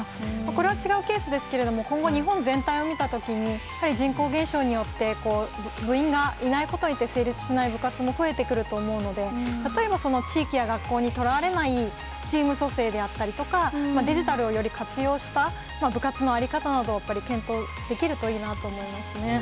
これは違うケースですけれども、今後、日本全体を見たときに、やはり人口減少によって、部員がいないことによって成立しない部活も増えてくると思うので、例えば、その地域や学校にとらわれないチーム組成であったりだとか、デジタルをより活用した部活の在り方などを検討できるといいなと思いますね。